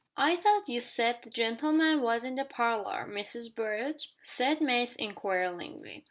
"I thought you said the gen'leman was in the parlour, Mrs Brute?" said Mace inquiringly.